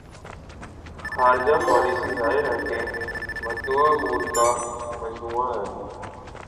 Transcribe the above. خارجہ پالیسی ظاہر ہے کہ متنوع امور کا مجموعہ ہے۔